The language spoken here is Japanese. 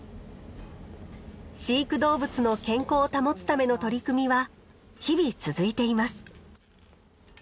飼育動物の健康を保つための取り組みは日々続いています。